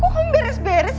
kok kamu beres beres